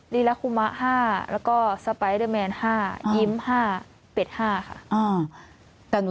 รีลักษณ์คุมะห้าแล้วก็ห้ายิ้มห้าเบ็ดห้าค่ะอ่าแต่หนู